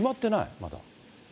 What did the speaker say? まだ。